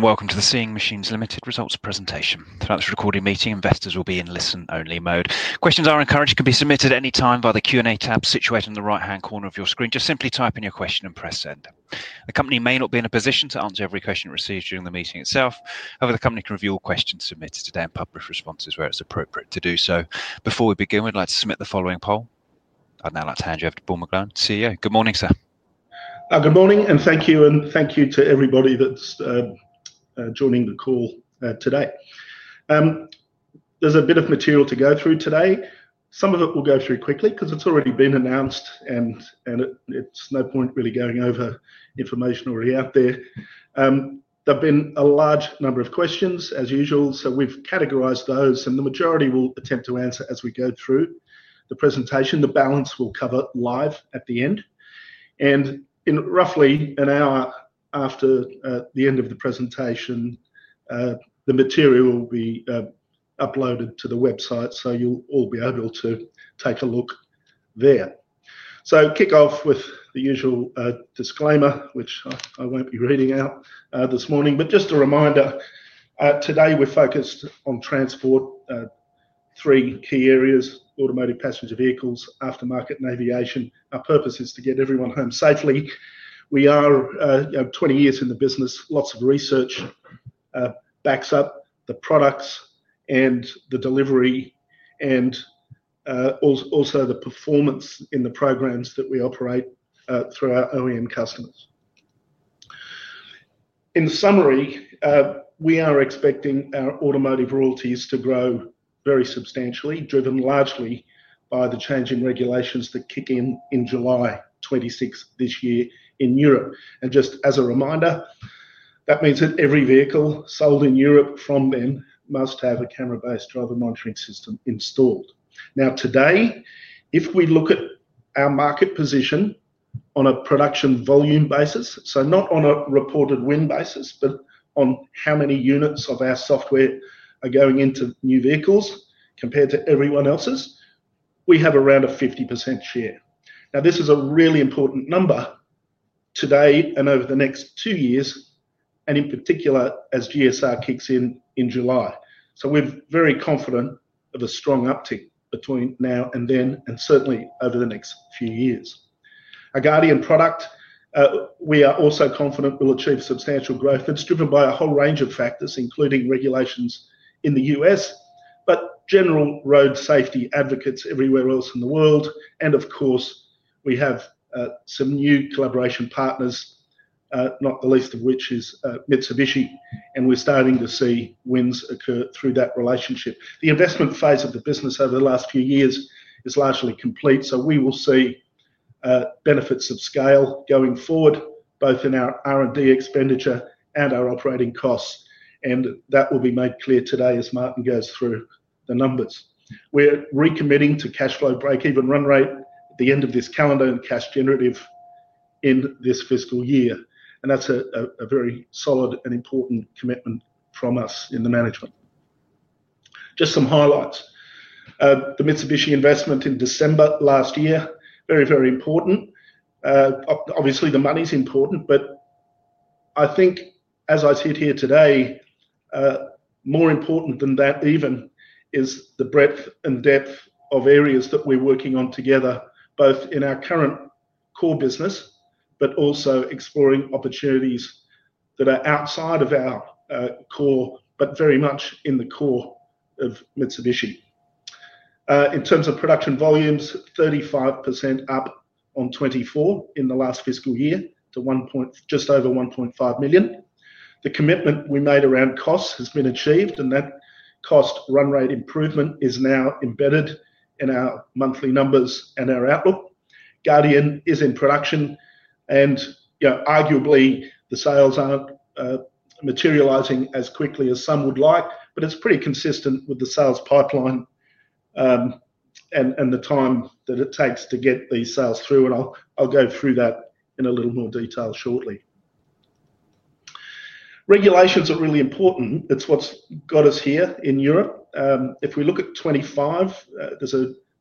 Welcome to the Seeing Machines Limited Results Presentation. Throughout this recording meeting, investors will be in listen-only mode. Questions are encouraged to be submitted at any time by the Q&A tab situated in the right-hand corner of your screen. Simply type in your question and press send. The company may not be in a position to answer every question it receives during the meeting itself. However, the company can review all questions submitted today and publish responses where it's appropriate to do so. Before we begin, we'd like to submit the following poll. I'd now like to hand you over to Paul McGlone, CEO. Good morning, sir. Good morning, and thank you, and thank you to everybody that's joining the call today. There's a bit of material to go through today. Some of it we'll go through quickly because it's already been announced, and it's no point really going over information already out there. There have been a large number of questions, as usual, so we've categorized those, and the majority we'll attempt to answer as we go through the presentation. The balance we'll cover live at the end. In roughly an hour after the end of the presentation, the material will be uploaded to the website, so you'll all be able to take a look there. To kick off with the usual disclaimer, which I won't be reading out this morning, just a reminder, today we're focused on transport, three key areas: automotive, passenger vehicles, aftermarket, and aviation. Our purpose is to get everyone home safely. We are, you know, 20 years in the business, lots of research backs up the products and the delivery, and also the performance in the programs that we operate through our OEM customers. In summary, we are expecting our auto royalties to grow very substantially, driven largely by the change in regulations that kick in in July 2026 in Europe. Just as a reminder, that means that every vehicle sold in Europe from then must have a camera-based Driver Monitoring System installed. Now, today, if we look at our market position on a production volume basis, so not on a reported win basis, but on how many units of our software are going into new vehicles compared to everyone else's, we have around a 50% share. This is a really important number today and over the next two years, in particular as GSR kicks in in July. We're very confident of a strong uptick between now and then, and certainly over the next few years. Our Guardian product, we are also confident will achieve substantial growth. It's driven by a whole range of factors, including regulations in the U.S., general road safety advocates everywhere else in the world, and of course, we have some new collaboration partners, not the least of which is Mitsubishi Electric Mobility Corporation, and we're starting to see wins occur through that relationship. The investment phase of the business over the last few years is largely complete, so we will see benefits of scale going forward, both in our R&D expenditure and our operating costs, and that will be made clear today as Martin Ive goes through the numbers. We're recommitting to cash flow break-even run rate at the end of this calendar and cash generative in this fiscal year, and that's a very solid and important commitment from us in the management. Just some highlights. The Mitsubishi Electric Mobility Corporation investment in December last year, very, very important. Obviously, the money's important, but I think, as I sit here today, more important than that even is the breadth and depth of areas that we're working on together, both in our current core business, but also exploring opportunities that are outside of our core, but very much in the core of Mitsubishi Electric Mobility Corporation. In terms of production volumes, 35% up on 2024 in the last fiscal year to just over 1.5 million. The commitment we made around costs has been achieved, and that cost run rate improvement is now embedded in our monthly numbers and our outlook. Guardian is in production, and arguably, the sales aren't materializing as quickly as some would like, but it's pretty consistent with the sales pipeline and the time that it takes to get these sales through, and I'll go through that in a little more detail shortly. Regulations are really important. It's what's got us here in Europe. If we look at 2025, there's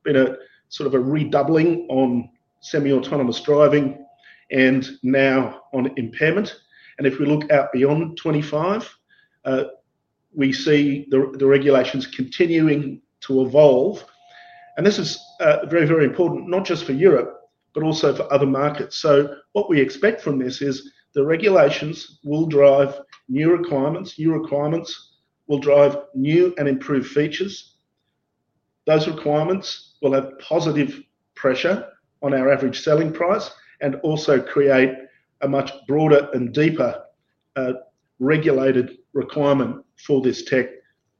been a sort of a redoubling on semi-autonomous driving and now on impairment. If we look out beyond 2025, we see the regulations continuing to evolve, and this is very, very important, not just for Europe, but also for other markets. What we expect from this is the regulations will drive new requirements. New requirements will drive new and improved features. Those requirements will have positive pressure on our average selling price and also create a much broader and deeper regulated requirement for this tech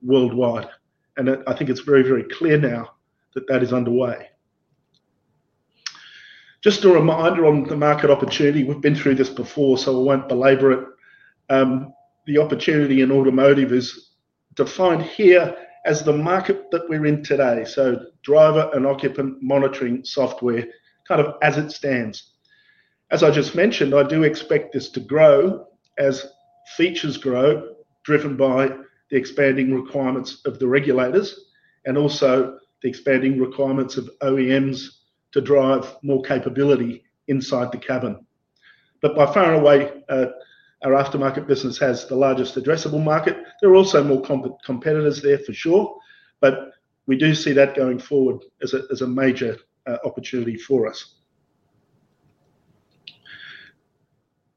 worldwide. I think it's very, very clear now that that is underway. Just a reminder on the market opportunity. We've been through this before, so I won't belabor it. The opportunity in automotive is defined here as the market that we're in today. So driver and occupant monitoring software, kind of as it stands. As I just mentioned, I do expect this to grow as features grow, driven by the expanding requirements of the regulators and also the expanding requirements of OEMs to drive more capability inside the cabin. By far and away, our aftermarket business has the largest addressable market. There are also more competitors there for sure, but we do see that going forward as a major opportunity for us.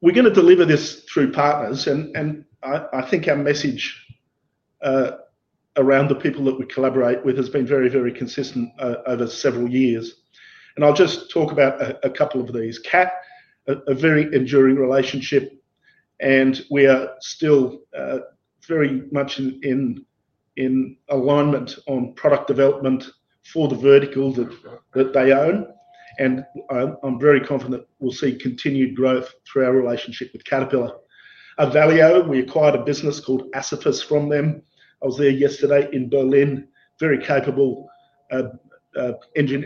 We're going to deliver this through partners, and I think our message around the people that we collaborate with has been very, very consistent over several years. I'll just talk about a couple of these. Caterpillar, a very enduring relationship, and we are still very much in alignment on product development for the vertical that they own. I'm very confident we'll see continued growth through our relationship with Caterpillar. AVALIO, we acquired a business called Asaphus Vision from them. I was there yesterday in Berlin, very capable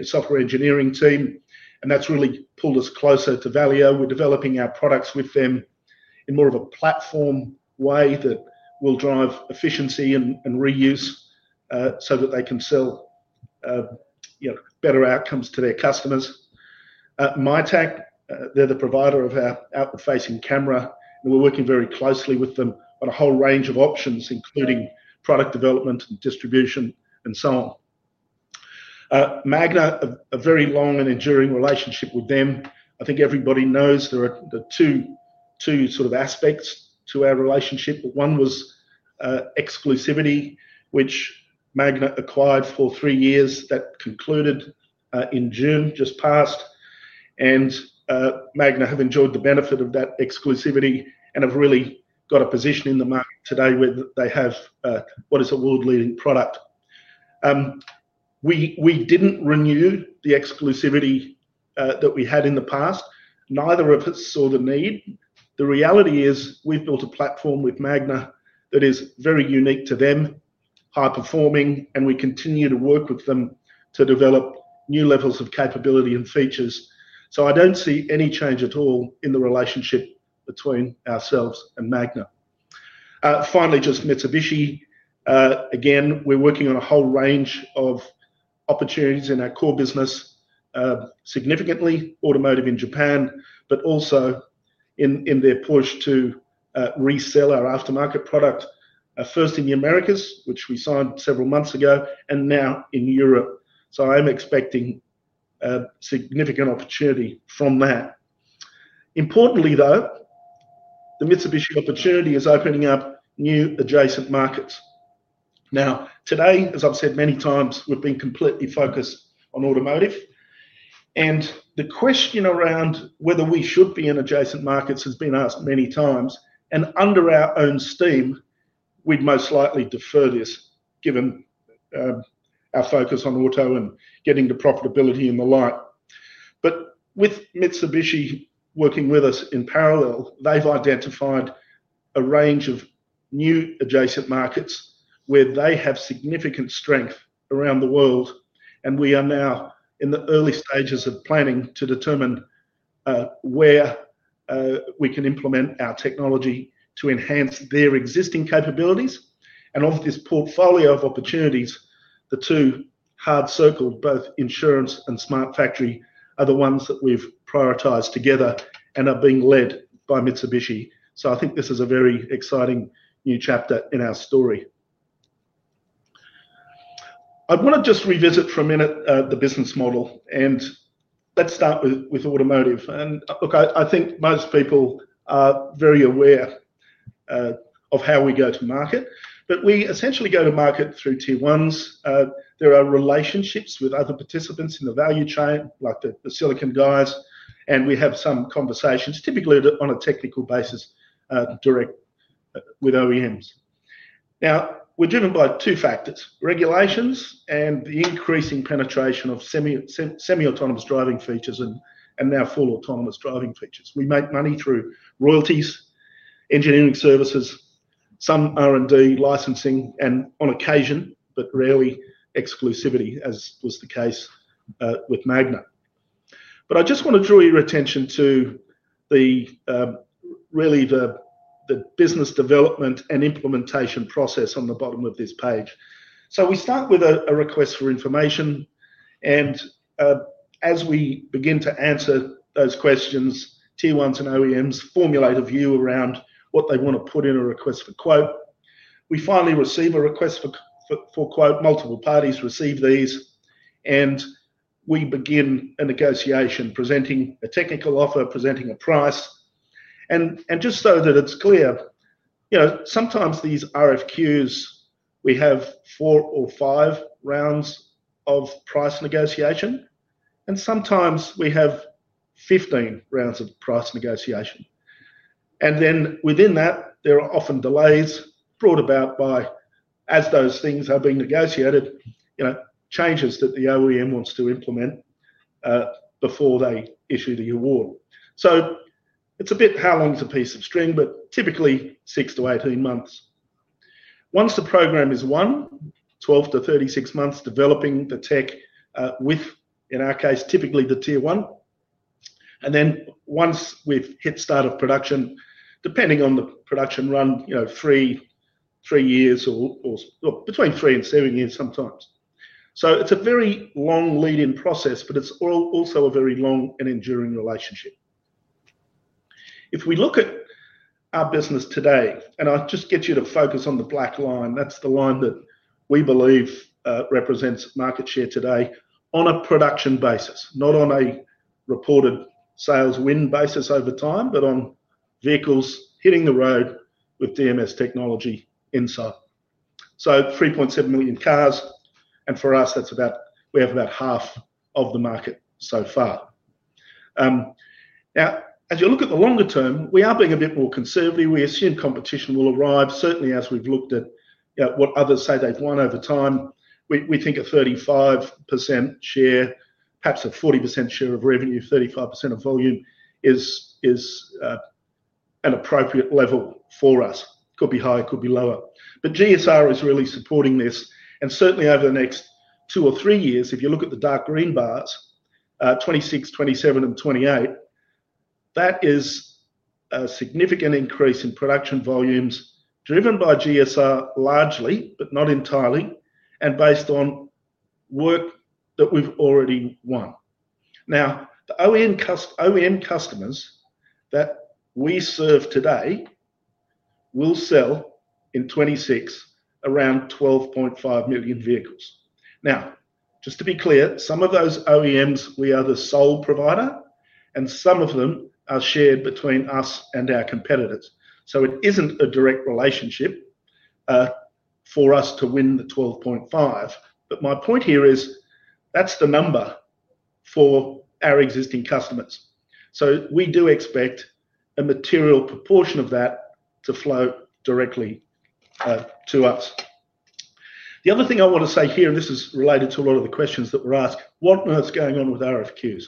software engineering team, and that's really pulled us closer to AVALIO. We're developing our products with them in more of a platform way that will drive efficiency and reuse so that they can sell better outcomes to their customers. Mitac, they're the provider of our out-of-facing camera, and we're working very closely with them on a whole range of options, including product development and distribution and so on. Magna, a very long and enduring relationship with them. I think everybody knows there are two sort of aspects to our relationship. One was exclusivity, which Magna acquired for three years. That concluded in June, just passed. Magna have enjoyed the benefit of that exclusivity and have really got a position in the market today where they have what is a world-leading product. We didn't renew the exclusivity that we had in the past. Neither of us saw the need. The reality is we've built a platform with Magna that is very unique to them, high-performing, and we continue to work with them to develop new levels of capability and features. I don't see any change at all in the relationship between ourselves and Magna. Finally, just Mitsubishi Electric Mobility Corporation. Again, we're working on a whole range of opportunities in our core business, significantly automotive in Japan, but also in their push to resell our aftermarket product, first in the Americas, which we signed several months ago, and now in Europe. I am expecting a significant opportunity from that. Importantly, though, the Mitsubishi Electric Mobility Corporation opportunity is opening up new adjacent markets. Now, today, as I've said many times, we've been completely focused on automotive. The question around whether we should be in adjacent markets has been asked many times. Under our own steam, we'd most likely defer this, given our focus on auto and getting to profitability and the like. With Mitsubishi Electric Mobility Corporation working with us in parallel, they've identified a range of new adjacent markets where they have significant strength around the world. We are now in the early stages of planning to determine where we can implement our technology to enhance their existing capabilities. Of this portfolio of opportunities, the two hard circle, both insurance and smart factory, are the ones that we've prioritized together and are being led by Mitsubishi Electric Mobility Corporation. I think this is a very exciting new chapter in our story. I want to just revisit for a minute the business model, and let's start with automotive. I think most people are very aware of how we go to market. We essentially go to market through tier ones. There are relationships with other participants in the value chain, like the silicon guys, and we have some conversations, typically on a technical basis, direct with OEMs. We're driven by two factors: regulations and the increasing penetration of semi-autonomous driving features and now full autonomous driving features. We make money through royalties, engineering services, some R&D licensing, and on occasion, but rarely, exclusivity, as was the case with Magna. I just want to draw your attention to really the business development and implementation process on the bottom of this page. We start with a request for information. As we begin to answer those questions, tier ones and OEMs formulate a view around what they want to put in a request for quote. We finally receive a request for quote. Multiple parties receive these, and we begin a negotiation, presenting a technical offer, presenting a price. Just so that it's clear, sometimes these RFQs, we have four or five rounds of price negotiation, and sometimes we have 15 rounds of price negotiation. Within that, there are often delays brought about by, as those things are being negotiated, changes that the OEM wants to implement before they issue the award. It's a bit how long is a piece of string, but typically 6 to 18 months. Once the program is won, 12 to 36 months developing the tech with, in our case, typically the tier one. Once we've hit start of production, depending on the production run, three years or between three and seven years sometimes. It's a very long lead-in process, but it's also a very long and enduring relationship. If we look at our business today, and I'll just get you to focus on the black line, that's the line that we believe represents market share today on a production basis, not on a reported sales win basis over time, but on vehicles hitting the road with Driver Monitoring Systems technology inside. So 3.7 million cars, and for us, that's about we have about half of the market so far. Now, as you look at the longer term, we are being a bit more conservative. We assume competition will arrive, certainly as we've looked at what others say they've won over time. We think a 35% share, perhaps a 40% share of revenue, 35% of volume is an appropriate level for us. It could be higher, it could be lower. GSR is really supporting this. Certainly over the next two or three years, if you look at the dark green bars, 2026, 2027, and 2028, that is a significant increase in production volumes driven by GSR largely, but not entirely, and based on work that we've already won. Now, the OEM customers that we serve today will sell in 2026 around 12.5 million vehicles. Just to be clear, some of those OEMs, we are the sole provider, and some of them are shared between us and our competitors. It isn't a direct relationship for us to win the 12.5. My point here is that's the number for our existing customers. We do expect a material proportion of that to flow directly to us. The other thing I want to say here, and this is related to a lot of the questions that were asked, what on earth's going on with RFQs?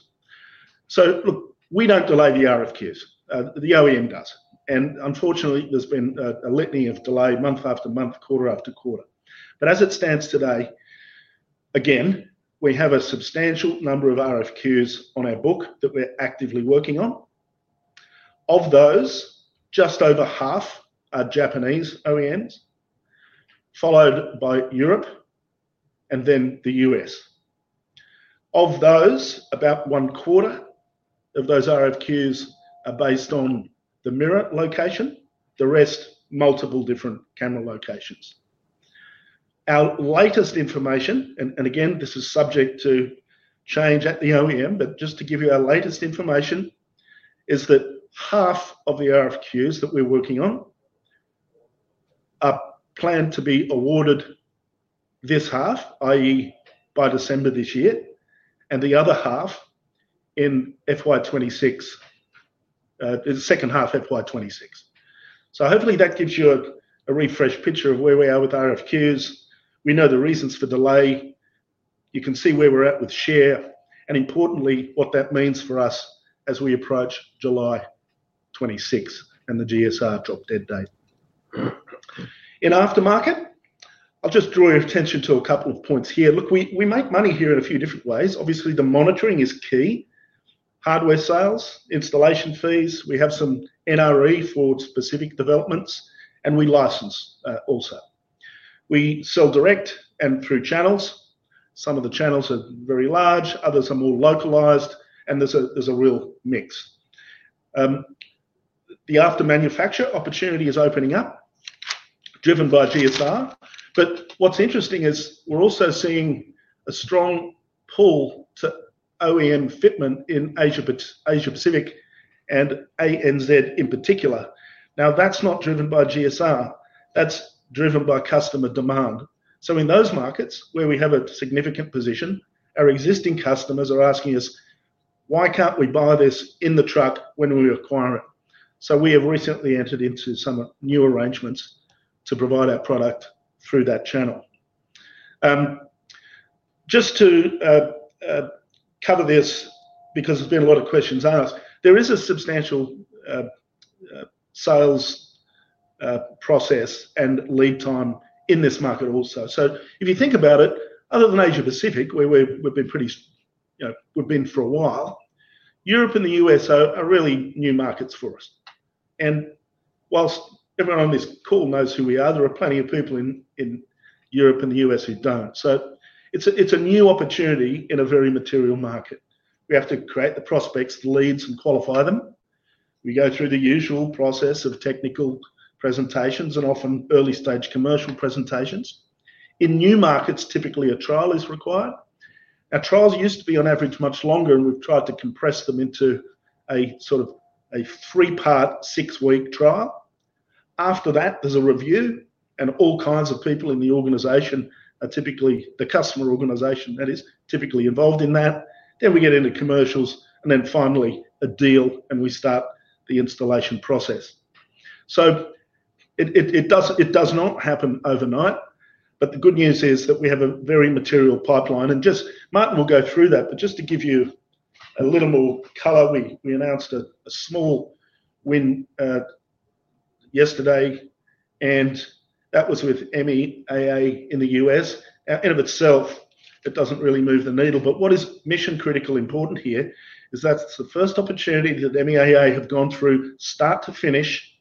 We don't delay the RFQs. The OEM does. Unfortunately, there's been a litany of delay month after month, quarter after quarter. As it stands today, again, we have a substantial number of RFQs on our book that we're actively working on. Of those, just over half are Japanese OEMs, followed by Europe and then the U.S. Of those, about one quarter of those RFQs are based on the mirror location. The rest, multiple different camera locations. Our latest information, and again, this is subject to change at the OEM, but just to give you our latest information, is that half of the RFQs that we're working on are planned to be awarded this half, i.e., by December this year, and the other half in FY2026, the second half FY2026. Hopefully, that gives you a refreshed picture of where we are with RFQs. We know the reasons for delay. You can see where we're at with share, and importantly, what that means for us as we approach July 2026 and the GSR drop dead date. In aftermarket, I'll just draw your attention to a couple of points here. Look, we make money here in a few different ways. Obviously, the monitoring is key. Hardware sales, installation fees, we have some NRE for specific developments, and we license also. We sell direct and through channels. Some of the channels are very large, others are more localized, and there's a real mix. The after-manufacture opportunity is opening up, driven by GSR. What's interesting is we're also seeing a strong pull to OEM fitment in Asia-Pacific and ANZ in particular. Now, that's not driven by GSR. That's driven by customer demand. In those markets, where we have a significant position, our existing customers are asking us, "Why can't we buy this in the truck when we acquire it?" We have recently entered into some new arrangements to provide our product through that channel. Just to cover this, because there's been a lot of questions asked, there is a substantial sales process and lead time in this market also. If you think about it, other than Asia-Pacific, where we've been pretty, you know, we've been for a while, Europe and the U.S. are really new markets for us. Whilst everyone on this call knows who we are, there are plenty of people in Europe and the U.S. who don't. It's a new opportunity in a very material market. We have to create the prospects, the leads, and qualify them. We go through the usual process of technical presentations and often early-stage commercial presentations. In new markets, typically, a trial is required. Our trials used to be, on average, much longer, and we've tried to compress them into a sort of a three-part, six-week trial. After that, there's a review, and all kinds of people in the organization are typically, the customer organization, that is, typically involved in that. We get into commercials, and finally, a deal, and we start the installation process. It does not happen overnight, but the good news is that we have a very material pipeline. Martin will go through that, but just to give you a little more color, we announced a small win yesterday, and that was with MEAA in the U.S. In and of itself, it doesn't really move the needle, but what is mission-critical important here is that's the first opportunity that MEAA have gone through, start to finish,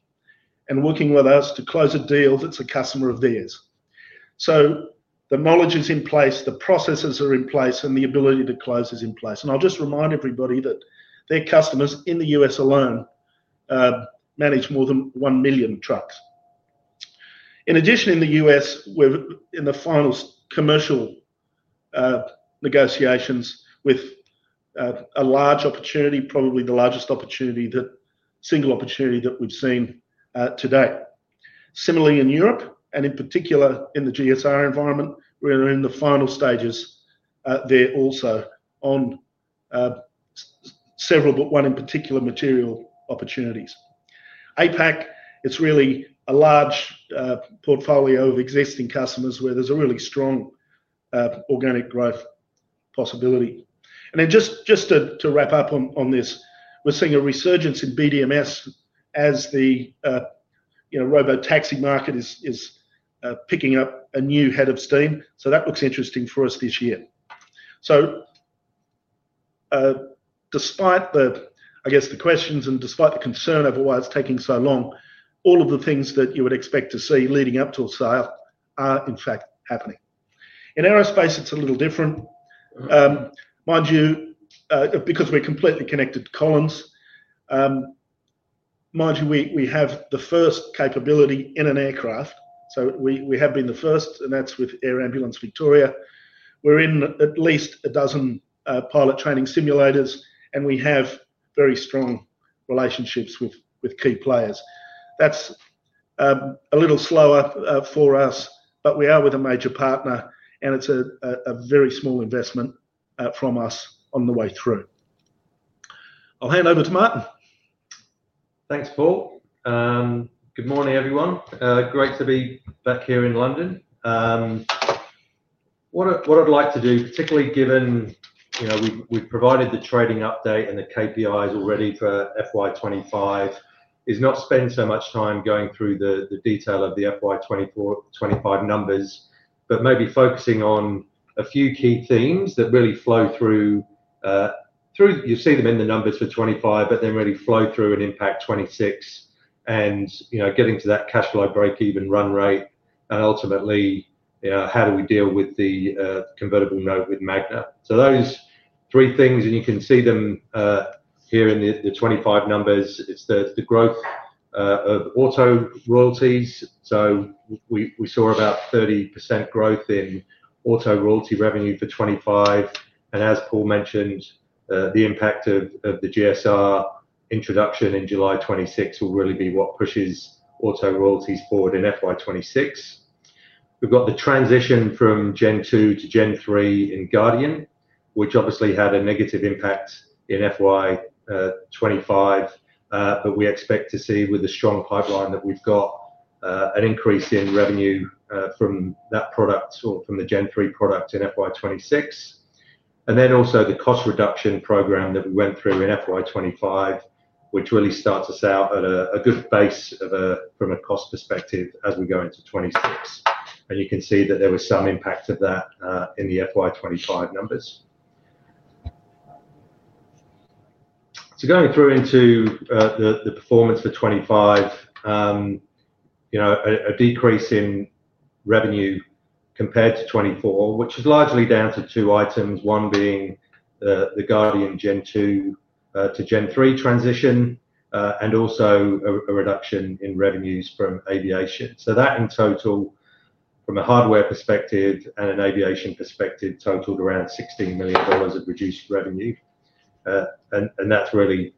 and working with us to close a deal that's a customer of theirs. The knowledge is in place, the processes are in place, and the ability to close is in place. I'll just remind everybody that their customers in the U.S. alone manage more than one million trucks. In addition, in the U.S., we're in the final commercial negotiations with a large opportunity, probably the largest opportunity, the single opportunity that we've seen to date. Similarly, in Europe, and in particular in the GSR environment, we are in the final stages there also on several, but one in particular, material opportunities. APAC, it's really a large portfolio of existing customers where there's a really strong organic growth possibility. Just to wrap up on this, we're seeing a resurgence in BDMS as the robotaxi market is picking up a new head of steam. That looks interesting for us this year. Despite the questions and despite the concern of why it's taking so long, all of the things that you would expect to see leading up to a sale are, in fact, happening. In aerospace, it's a little different. Mind you, because we're completely connected to columns, mind you, we have the first capability in an aircraft. We have been the first, and that's with Air Ambulance Victoria. We're in at least a dozen pilot training simulators, and we have very strong relationships with key players. That's a little slower for us, but we are with a major partner, and it's a very small investment from us on the way through. I'll hand over to Martin. Thanks, Paul. Good morning, everyone. Great to be back here in London. What I'd like to do, particularly given you know we've provided the trading update and the KPIs already for FY2025, is not spend so much time going through the detail of the FY2025 numbers, but maybe focusing on a few key themes that really flow through. You'll see them in the numbers for 2025, but they really flow through and impact 2026, and you know getting to that cash flow break-even run rate, and ultimately, you know how do we deal with the convertible note with Magna. Those three things, and you can see them here in the 2025 numbers, it's the growth of auto royalties. We saw about 30% growth in auto royalty revenue for 2025. As Paul mentioned, the impact of the European General Safety Regulation introduction in July 2026 will really be what pushes auto royalties forward in FY2026. We've got the transition from Guardian Gen 2 to Guardian Generation 3, which obviously had a negative impact in FY2025, but we expect to see with the strong pipeline that we've got an increase in revenue from that product or from the Guardian Generation 3 product in FY2026. Also, the cost reduction program that we went through in FY2025 really starts us out at a good base from a cost perspective as we go into 2026. You can see that there was some impact of that in the FY2025 numbers. Going through into the performance for 2025, a decrease in revenue compared to 2024, which was largely down to two items, one being the Guardian Gen 2 to Guardian Generation 3 transition, and also a reduction in revenues from aviation. In total, from a hardware perspective and an aviation perspective, that totaled around $16 million of reduced revenue. That's really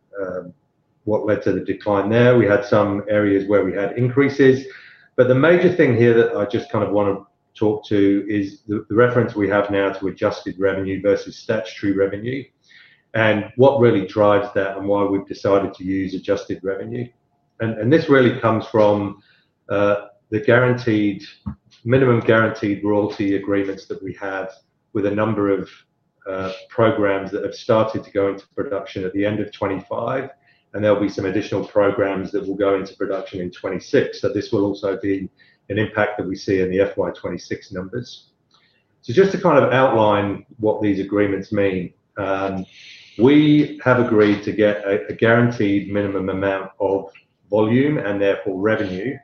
what led to the decline there. We had some areas where we had increases. The major thing here that I just kind of want to talk to is the reference we have now to adjusted revenue versus statutory revenue, and what really drives that and why we've decided to use adjusted revenue. This really comes from the minimum guaranteed royalty agreements that we have with a number of programs that have started to go into production at the end of 2025. There'll be some additional programs that will go into production in 2026. This will also be an impact that we see in the FY2026 numbers. Just to kind of outline what these agreements mean, we have agreed to get a guaranteed minimum amount of volume and therefore revenue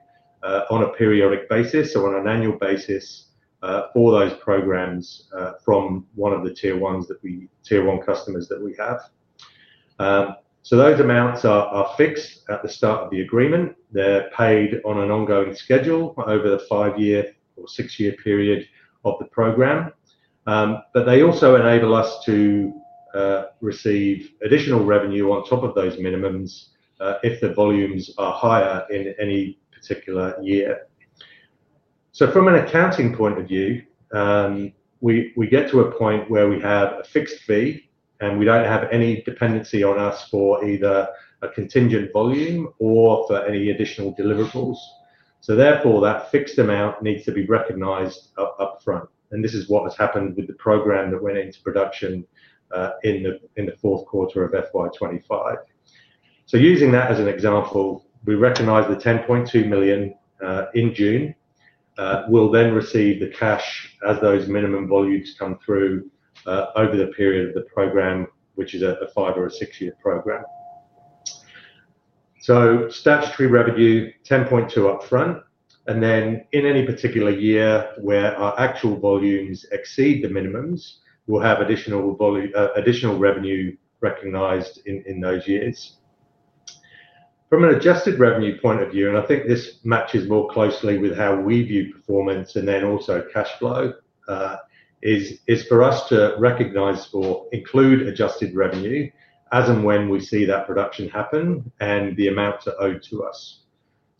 on a periodic basis, on an annual basis, for those programs from one of the tier one customers that we have. Those amounts are fixed at the start of the agreement. They're paid on an ongoing schedule over the five-year or six-year period of the program. They also enable us to receive additional revenue on top of those minimums if the volumes are higher in any particular year. From an accounting point of view, we get to a point where we have a fixed fee, and we don't have any dependency on us for either a contingent volume or for any additional deliverables. Therefore, that fixed amount needs to be recognized upfront. This is what has happened with the program that went into production in the fourth quarter of FY 2025. Using that as an example, we recognize the $10.2 million in June. We'll then receive the cash as those minimum volumes come through over the period of the program, which is a five or a six-year program. Statutory revenue $10.2 million upfront. In any particular year where our actual volumes exceed the minimums, we'll have additional revenue recognized in those years. From an adjusted revenue point of view, and I think this matches more closely with how we view performance and also cash flow, is for us to recognize or include adjusted revenue as and when we see that production happen and the amounts are owed to us.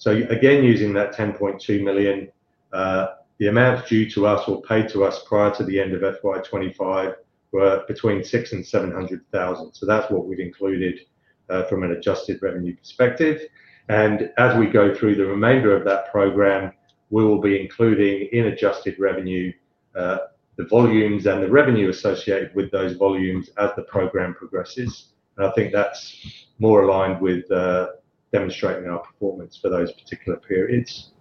Again, using that $10.2 million, the amounts due to us or paid to us prior to the end of FY 2025 were between $600,000 and $700,000. That's what we've included from an adjusted revenue perspective. As we go through the remainder of that program, we will be including in adjusted revenue the volumes and the revenue associated with those volumes as the program progresses. I think that's more aligned with demonstrating our performance for those particular periods.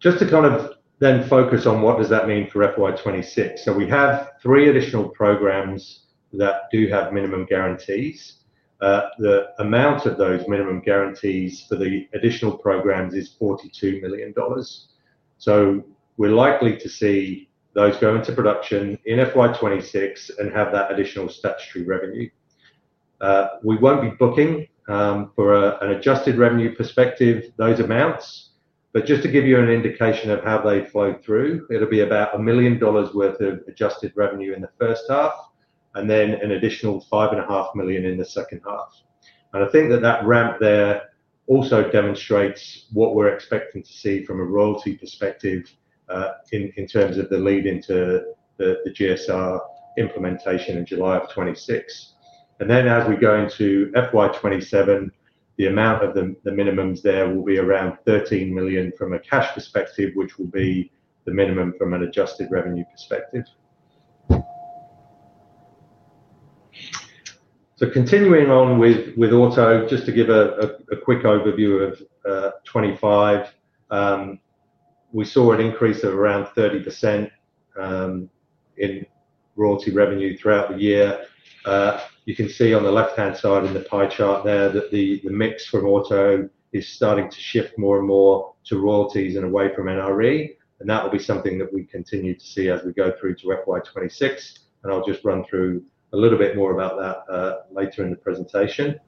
To kind of then focus on what that means for FY 2026, we have three additional programs that do have minimum guarantees. The amount of those minimum guarantees for the additional programs is $42 million. We're likely to see those go into production in FY 2026 and have that additional statutory revenue. We won't be booking from an adjusted revenue perspective those amounts. Just to give you an indication of how they flow through, it'll be about $1 million worth of adjusted revenue in the first half, and then an additional $5.5 million in the second half. I think that ramp there also demonstrates what we're expecting to see from a royalty perspective in terms of the lead into the European General Safety Regulation implementation in July of 2026. As we go into FY 2027, the amount of the minimums there will be around $13 million from a cash perspective, which will be the minimum from an adjusted revenue perspective. Continuing on with auto, just to give a quick overview of 2025, we saw an increase of around 30% in royalty revenue throughout the year. You can see on the left-hand side on the pie chart there that the mix from auto is starting to shift more and more to royalties and away from NRE. That will be something that we continue to see as we go through to FY 2026. I'll just run through a little bit more about that later in the presentation.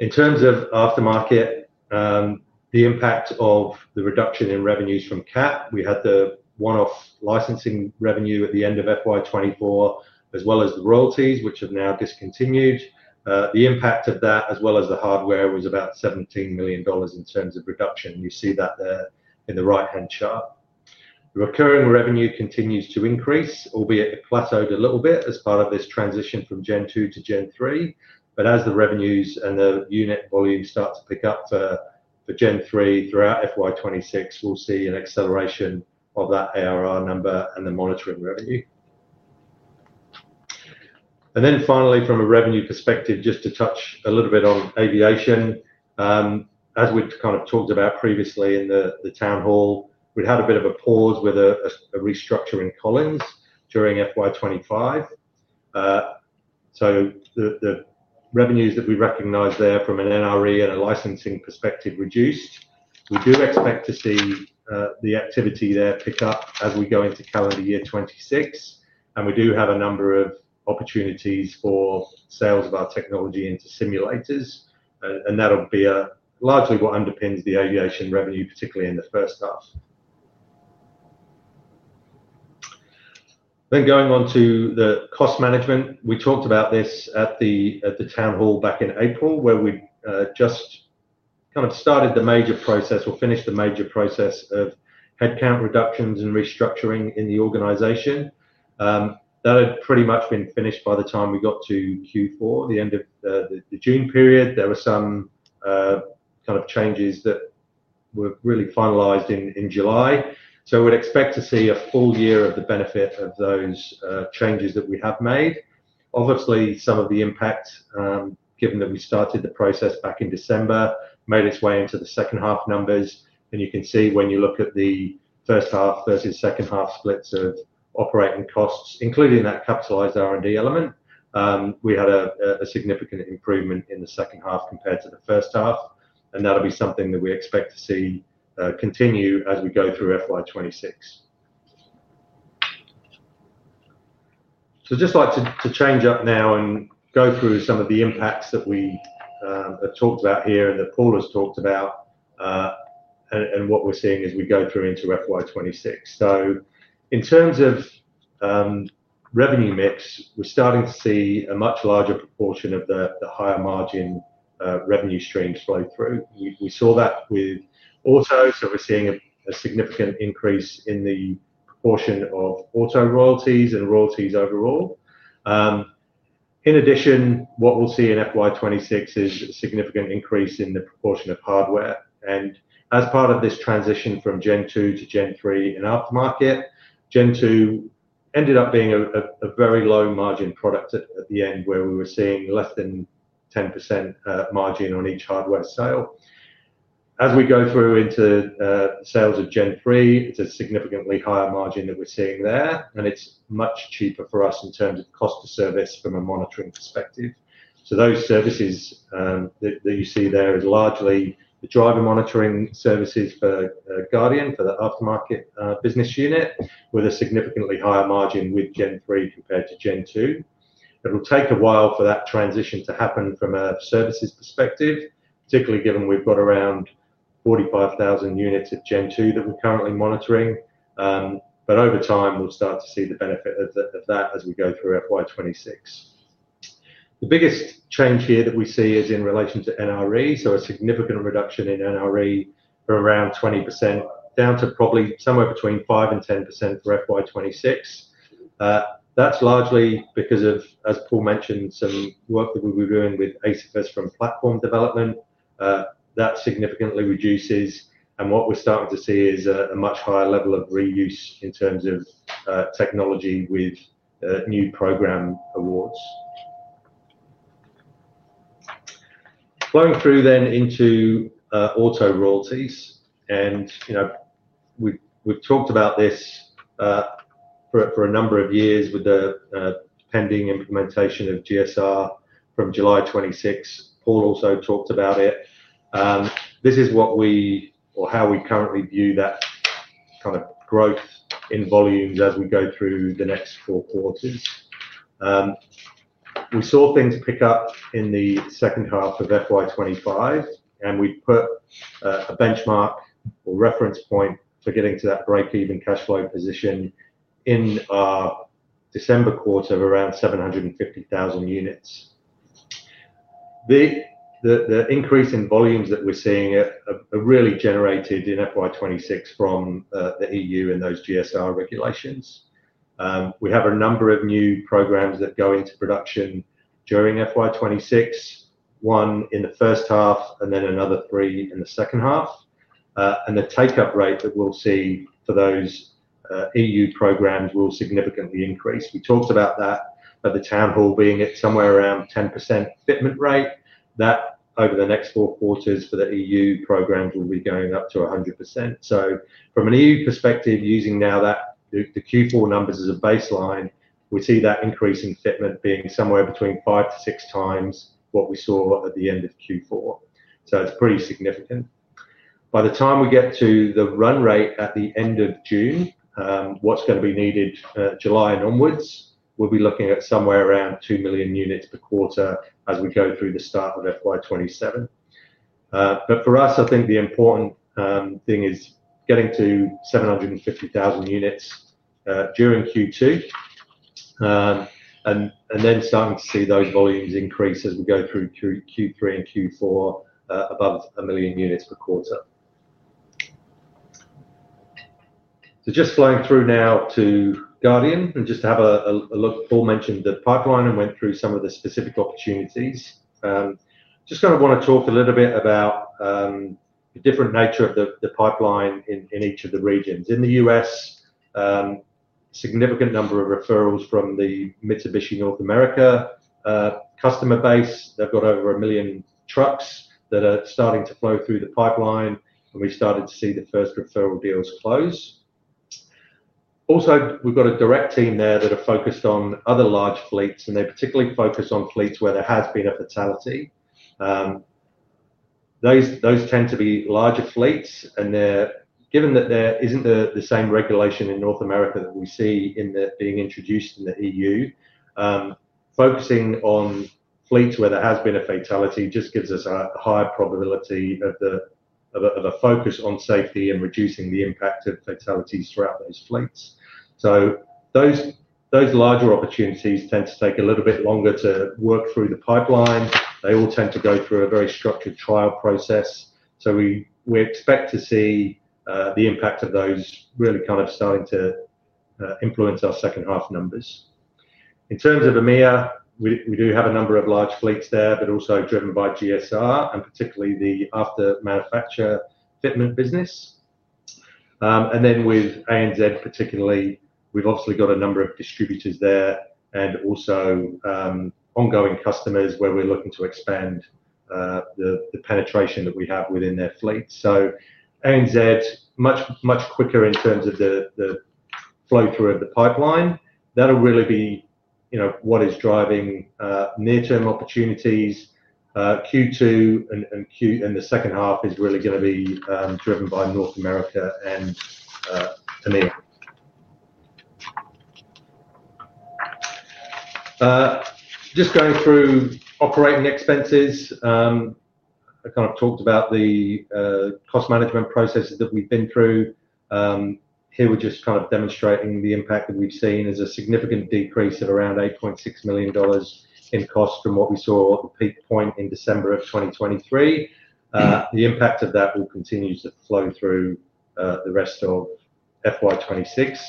In terms of aftermarket, the impact of the reduction in revenues from Caterpillar, we had the one-off licensing revenue at the end of FY 2024, as well as the royalties, which have now discontinued. The impact of that, as well as the hardware, was about $17 million in terms of reduction. You see that there in the right-hand chart. The recurring revenue continues to increase, albeit it plateaued a little bit as part of this transition from Guardian Gen 2 to Guardian Generation 3. As the revenues and the unit volume start to pick up for Guardian Generation 3 throughout FY 2026, we'll see an acceleration of that ARR number and the monitoring revenue. Finally, from a revenue perspective, just to touch a little bit on aviation. As we kind of talked about previously in the town hall, we'd had a bit of a pause with a restructure in Collins during FY 2025. The revenues that we recognize there from an NRE and a licensing perspective reduced. We do expect to see the activity there pick up as we go into calendar year 2026. We do have a number of opportunities for sales of our technology into simulators. That'll be largely what underpins the aviation revenue, particularly in the first half. Going on to the cost management, we talked about this at the town hall back in April, where we just kind of started the major process or finished the major process of headcount reductions and restructuring in the organization. That had pretty much been finished by the time we got to Q4, the end of the June period. There were some kind of changes that were really finalized in July. We'd expect to see a full year of the benefit of those changes that we have made. Obviously, some of the impact, given that we started the process back in December, made its way into the second half numbers. You can see when you look at the first half versus second half splits of operating costs, including that capitalized R&D element, we had a significant improvement in the second half compared to the first half. That'll be something that we expect to see continue as we go through FY 2026. I'd just like to change up now and go through some of the impacts that we have talked about here and that Paul has talked about and what we're seeing as we go through into FY 2026. In terms of revenue mix, we're starting to see a much larger proportion of the higher margin revenue streams flow through. We saw that with auto. We're seeing a significant increase in the proportion of auto royalties and royalties overall. In addition, what we'll see in FY 2026 is a significant increase in the proportion of hardware. As part of this transition from Gen 2 to Gen 3 in aftermarket, Gen 2 ended up being a very low margin product at the end, where we were seeing less than 10% margin on each hardware sale. As we go through into the sales of Gen 3, it's a significantly higher margin that we're seeing there. It's much cheaper for us in terms of cost of service from a monitoring perspective. Those services that you see there are largely the driver monitoring services for Guardian for the aftermarket business unit, with a significantly higher margin with Gen 3 compared to Gen 2. It'll take a while for that transition to happen from a services perspective, particularly given we've got around 45,000 units of Gen 2 that we're currently monitoring. Over time, we'll start to see the benefit of that as we go through FY 2026. The biggest change here that we see is in relation to NRE. A significant reduction in NRE for around 20%, down to probably somewhere between 5% and 10% for FY 2026. That's largely because of, as Paul mentioned, some work that we were doing with ACFS from platform development. That significantly reduces. We're starting to see a much higher level of reuse in terms of technology with new program awards, flowing through then into auto royalties. You know we've talked about this for a number of years with the pending implementation of GSR from July 2026. Paul also talked about it. This is what we or how we currently view that kind of growth in volumes as we go through the next four quarters. We saw things pick up in the second half of FY 2025, and we put a benchmark or reference point for getting to that break-even cash flow position in our December quarter of around 750,000 units. The increase in volumes that we're seeing are really generated in FY 2026 from the EU and those GSR regulations. We have a number of new programs that go into production during FY 2026, one in the first half and then another three in the second half. The take-up rate that we'll see for those EU programs will significantly increase. We talked about that at the town hall being at somewhere around 10% fitment rate. That over the next four quarters for the EU programs will be going up to 100%. From an EU perspective, using now the Q4 numbers as a baseline, we see that increase in fitment being somewhere between five to six times what we saw at the end of Q4. It's pretty significant. By the time we get to the run rate at the end of June, what's going to be needed July and onwards, we'll be looking at somewhere around 2 million units per quarter as we go through the start of FY 2027. For us, I think the important thing is getting to 750,000 units during Q2 and then starting to see those volumes increase as we go through Q3 and Q4 above a million units per quarter. Just flowing through now to Guardian and just to have a look, Paul mentioned the pipeline and went through some of the specific opportunities. I just kind of want to talk a little bit about the different nature of the pipeline in each of the regions. In the U.S., a significant number of referrals from the Mitsubishi Electric Mobility Corporation North America customer base. They've got over a million trucks that are starting to flow through the pipeline, and we started to see the first referral deals close. We've got a direct team there that are focused on other large fleets, and they particularly focus on fleets where there has been a fatality. Those tend to be larger fleets, and given that there isn't the same regulation in North America that we see being introduced in the EU, focusing on fleets where there has been a fatality just gives us a higher probability of a focus on safety and reducing the impact of fatalities throughout those fleets. Those larger opportunities tend to take a little bit longer to work through the pipeline. They all tend to go through a very structured trial process. We expect to see the impact of those really kind of starting to influence our second half numbers. In terms of EMEA, we do have a number of large fleets there, but also driven by GSR and particularly the after-manufacture fitment business. With ANZ, particularly, we've obviously got a number of distributors there and also ongoing customers where we're looking to expand the penetration that we have within their fleet. ANZ is much, much quicker in terms of the flow-through of the pipeline. That'll really be what is driving near-term opportunities. Q2 and the second half is really going to be driven by North America and EMEA. Just going through operating expenses, I kind of talked about the cost management processes that we've been through. Here, we're just kind of demonstrating the impact that we've seen is a significant decrease of around $8.6 million in cost from what we saw at the peak point in December 2023. The impact of that will continue to flow through the rest of FY 2026.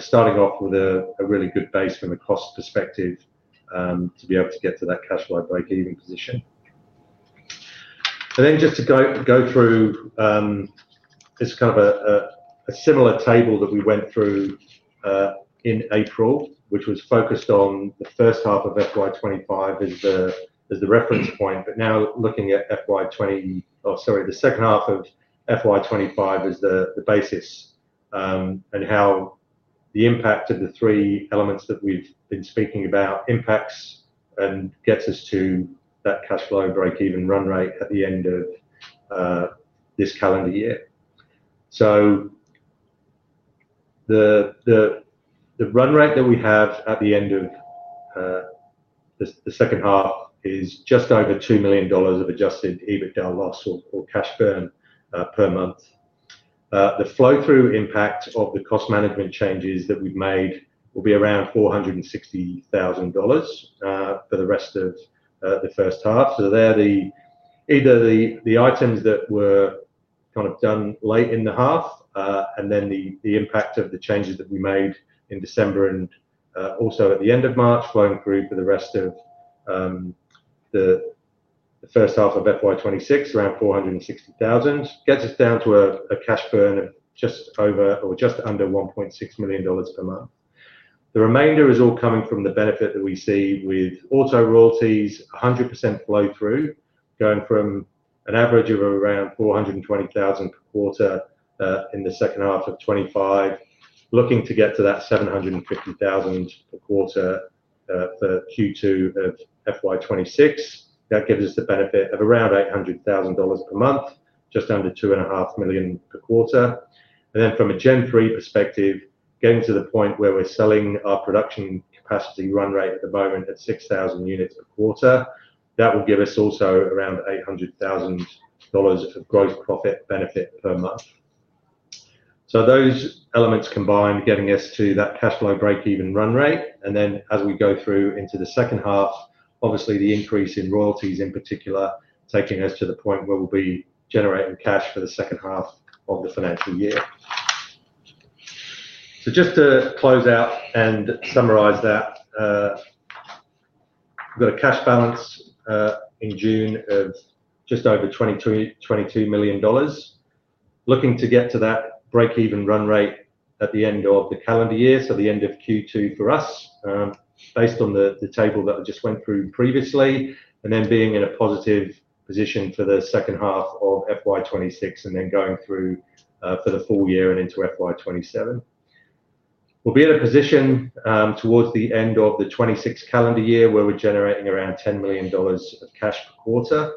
Starting off with a really good base from a cost perspective to be able to get to that cash flow break-even position. Just to go through, it's kind of a similar table that we went through in April, which was focused on the first half of FY 2025 as the reference point, but now looking at FY 2020, oh, sorry, the second half of FY 2025 as the basis and how the impact of the three elements that we've been speaking about impacts and gets us to that cash flow break-even run rate at the end of this calendar year. The run rate that we have at the end of the second half is just over $2 million of adjusted EBITDA loss or cash burn per month. The flow-through impact of the cost management changes that we've made will be around $460,000 for the rest of the first half. They're either the items that were kind of done late in the half and then the impact of the changes that we made in December and also at the end of March flowing through for the rest of the first half of FY 2026, around $460,000. Gets us down to a cash burn of just over or just under $1.6 million per month. The remainder is all coming from the benefit that we see with auto royalties, 100% flow-through, going from an average of around $420,000 per quarter in the second half of 2025, looking to get to that $750,000 per quarter for Q2 of FY 2026. That gives us the benefit of around $800,000 per month, just under $2.5 million per quarter. From a Gen 3 perspective, getting to the point where we're selling our production capacity run rate at the moment at 6,000 units a quarter, that will give us also around $800,000 of gross profit benefit per month. Those elements combined, getting us to that cash flow break-even run rate. As we go through into the second half, obviously the increase in royalties in particular, taking us to the point where we'll be generating cash for the second half of the financial year. Just to close out and summarize that, we've got a cash balance in June of just over $22 million, looking to get to that break-even run rate at the end of the calendar year, so the end of Q2 for us, based on the table that I just went through previously, and then being in a positive position for the second half of FY 2026 and then going through for the full year and into FY 2027. We'll be in a position towards the end of the 2026 calendar year where we're generating around $10 million of cash per quarter.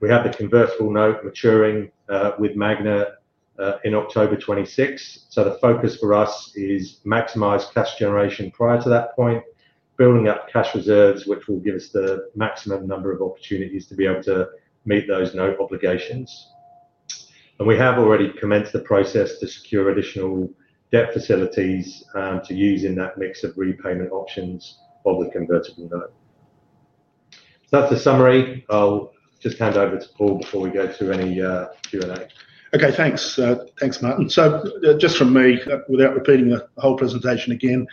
We have the convertible note maturing with Magna in October 2026. The focus for us is maximize cash generation prior to that point, building up cash reserves, which will give us the maximum number of opportunities to be able to meet those note obligations. We have already commenced the process to secure additional debt facilities to use in that mix of repayment options of the convertible note. For summary, I'll just hand over to Paul before we go through any Q&A. Okay, thanks. Thanks, Martin. Just from me, without repeating the whole presentation again,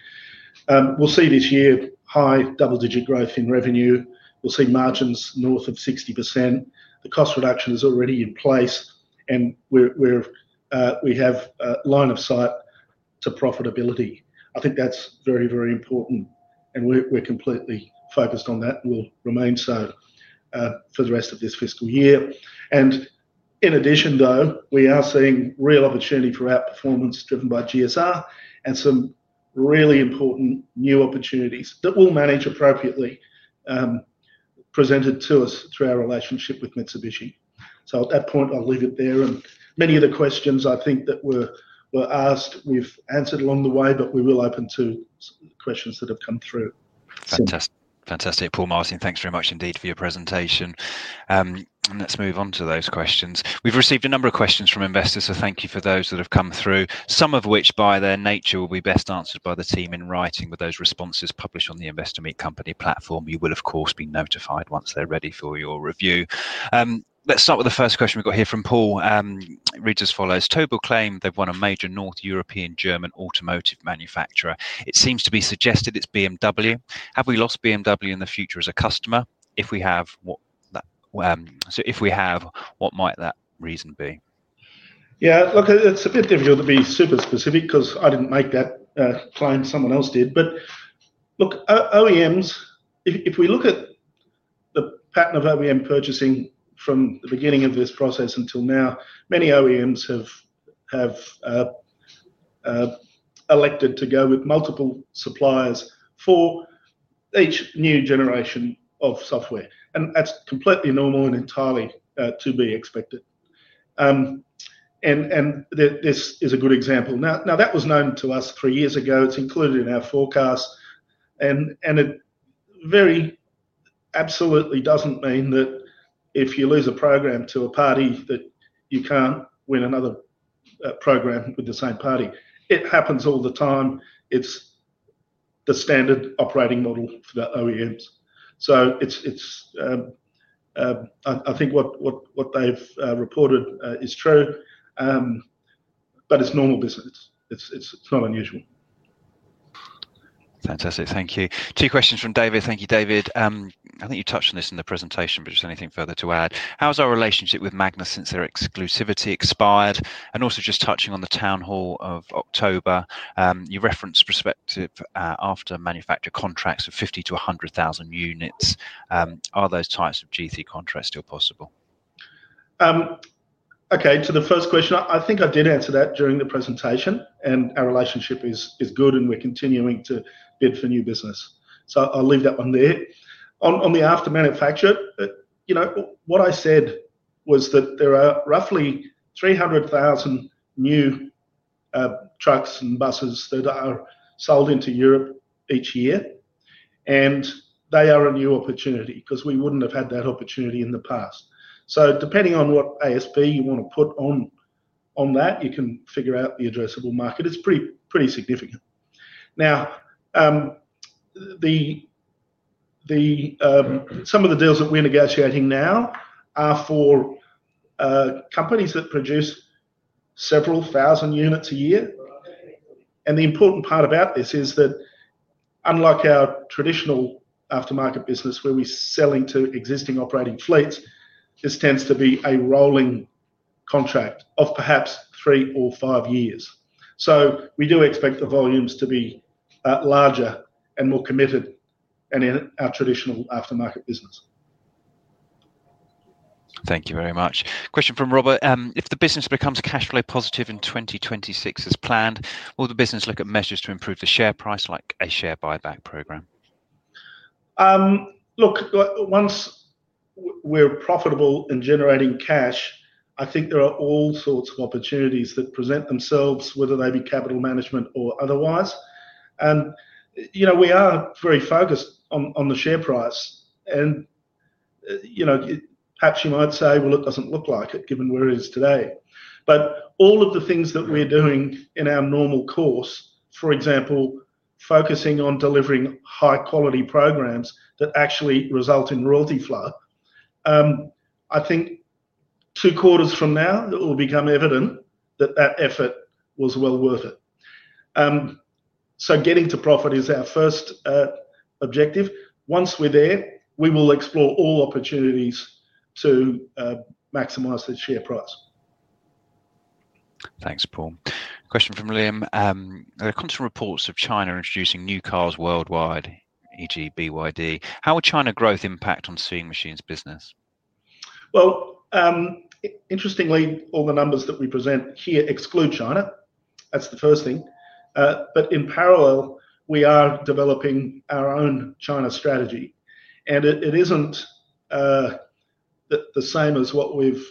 we'll see this year high double-digit growth in revenue. We'll see margins north of 60%. The cost reduction is already in place, and we have a line of sight to profitability. I think that's very, very important. We're completely focused on that and will remain so for the rest of this fiscal year. In addition, we are seeing real opportunity for our performance driven by GSR and some really important new opportunities that we'll manage appropriately presented to us through our relationship with Mitsubishi Electric Mobility Corporation. At that point, I'll leave it there. Many of the questions I think that were asked, we've answered along the way, but we're really open to questions that have come through. Fantastic. Fantastic. Paul, Martin, thanks very much indeed for your presentation. Let's move on to those questions. We've received a number of questions from investors, so thank you for those that have come through, some of which by their nature will be best answered by the team in writing with those responses published on the Investor Meet Company platform. You will, of course, be notified once they're ready for your review. Let's start with the first question we've got here from Paul. Read as follows. Tobel claim they've won a major North European German automotive manufacturer. It seems to be suggested it's BMW. Have we lost BMW in the future as a customer? If we have, what might that reason be? Yeah, look, it's a bit difficult to be super specific because I didn't make that claim. Someone else did. OEMs, if we look at the pattern of OEM purchasing from the beginning of this process until now, many OEMs have elected to go with multiple suppliers for each new generation of software. That's completely normal and entirely to be expected. This is a good example. That was known to us three years ago. It's included in our forecast. It very absolutely doesn't mean that if you lose a program to a party, you can't win another program with the same party. It happens all the time. It's the standard operating model for the OEMs. I think what they've reported is true, but it's normal business. It's not unusual. Fantastic. Thank you. Two questions from David. Thank you, David. I think you touched on this in the presentation, but just anything further to add. How's our relationship with Magna since their exclusivity expired? Also, just touching on the town hall of October, you referenced prospective after-manufacture contracts of 50,000 to 100,000 units. Are those types of GT contracts still possible? Okay, to the first question, I think I did answer that during the presentation, and our relationship is good, and we're continuing to bid for new business. I'll leave that one there. On the after-manufacture, what I said was that there are roughly 300,000 new trucks and buses that are sold into Europe each year, and they are a new opportunity because we wouldn't have had that opportunity in the past. Depending on what ASP you want to put on that, you can figure out the addressable market. It's pretty significant. Some of the deals that we're negotiating now are for companies that produce several thousand units a year. The important part about this is that unlike our traditional aftermarket business where we're selling to existing operating fleets, this tends to be a rolling contract of perhaps three or five years. We do expect the volumes to be larger and more committed than our traditional aftermarket business. Thank you very much. Question from Robert. If the business becomes cash flow positive in 2026 as planned, will the business look at measures to improve the share price like a share buyback program? Look, once we're profitable in generating cash, I think there are all sorts of opportunities that present themselves, whether they be capital management or otherwise. You know, we are very focused on the share price. You know, perhaps you might say it doesn't look like it given where it is today. All of the things that we're doing in our normal course, for example, focusing on delivering high-quality programs that actually result in royalty flow, I think two quarters from now, it will become evident that that effort was well worth it. Getting to profit is our first objective. Once we're there, we will explore all opportunities to maximize the share price. Thanks, Paul. Question from William. There are constant reports of China introducing new cars worldwide, e.g., BYD. How will China growth impact on Seeing Machines business? Interestingly, all the numbers that we present here exclude China. That's the first thing. In parallel, we are developing our own China strategy. It isn't the same as what we've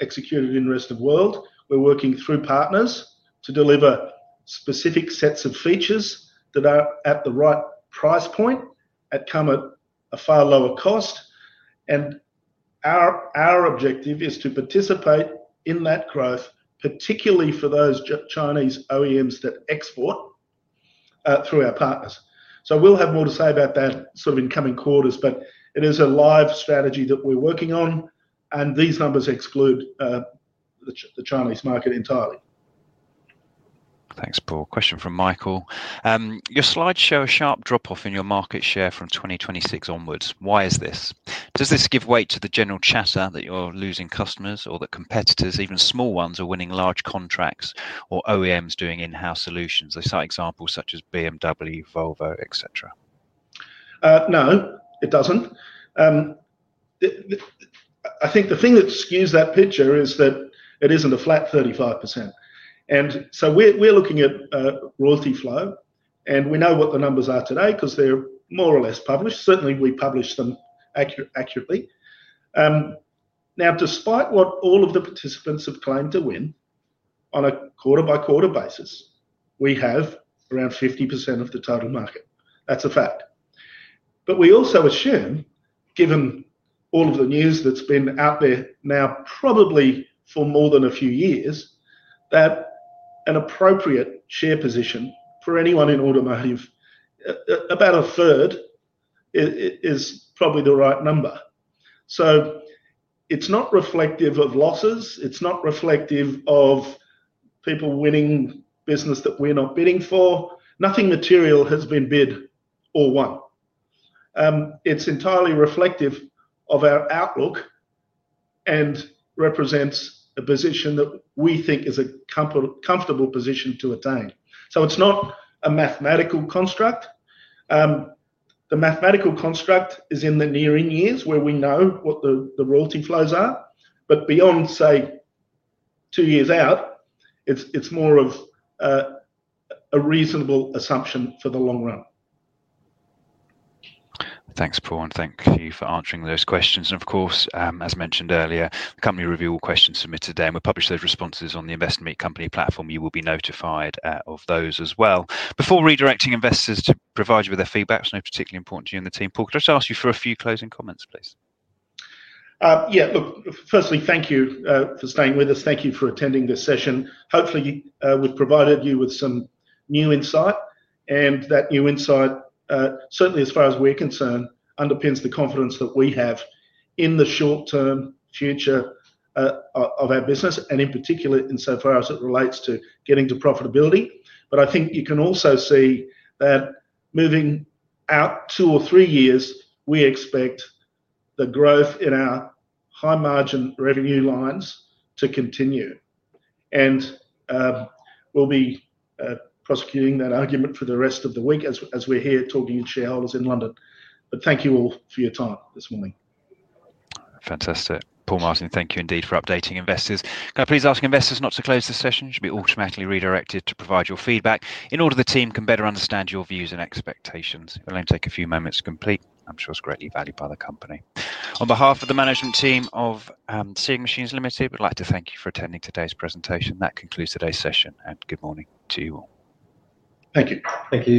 executed in the rest of the world. We're working through partners to deliver specific sets of features that are at the right price point, that come at a far lower cost. Our objective is to participate in that growth, particularly for those Chinese OEMs that export through our partners. We'll have more to say about that in coming quarters, but it is a live strategy that we're working on. These numbers exclude the Chinese market entirely. Thanks, Paul. Question from Michael. Your slides show a sharp drop-off in your market share from 2026 onwards. Why is this? Does this give weight to the general chatter that you're losing customers or that competitors, even small ones, are winning large contracts or OEMs doing in-house solutions? I cite examples such as BMW, Volvo, etc. No, it doesn't. I think the thing that skews that picture is that it isn't a flat 35%. We're looking at royalty flow, and we know what the numbers are today because they're more or less published. Certainly, we publish them accurately. Despite what all of the participants have claimed to win on a quarter-by-quarter basis, we have around 50% of the total market. That's a fact. We also assume, given all of the news that's been out there now probably for more than a few years, that an appropriate share position for anyone in automotive, about a third, is probably the right number. It's not reflective of losses. It's not reflective of people winning business that we're not bidding for. Nothing material has been bid or won. It's entirely reflective of our outlook and represents a position that we think is a comfortable position to attain. It's not a mathematical construct. The mathematical construct is in the nearing years where we know what the royalty flows are, but beyond, say, two years out, it's more of a reasonable assumption for the long run. Thanks, Paul. Thank you for answering those questions. As mentioned earlier, the company review will question submitted today, and we'll publish those responses on the Investor Meet Company platform. You will be notified of those as well. Before redirecting investors to provide you with their feedback, it's particularly important to you and the team. Paul, could I just ask you for a few closing comments, please? Yeah, look, firstly, thank you for staying with us. Thank you for attending this session. Hopefully, we've provided you with some new insight. That new insight, certainly as far as we're concerned, underpins the confidence that we have in the short-term future of our business, in particular insofar as it relates to getting to profitability. I think you can also see that moving out two or three years, we expect the growth in our high-margin revenue lines to continue. We'll be prosecuting that argument for the rest of the week as we're here talking to shareholders in London. Thank you all for your time this morning. Fantastic. Paul, Martin, thank you indeed for updating investors. Can I please ask investors not to close the session? It should be automatically redirected to provide your feedback in order for the team to better understand your views and expectations. It will only take a few moments to complete. I'm sure it's greatly valued by the company. On behalf of the management team of Seeing Machines Limited, we'd like to thank you for attending today's presentation. That concludes today's session, and good morning to you all. Thank you. Thank you.